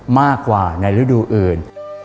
มากกว่าในฤดูอื่น